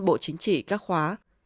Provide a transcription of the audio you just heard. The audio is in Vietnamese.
bộ chính trị các khóa